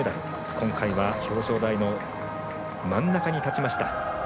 今回は表彰台の真ん中にたちました。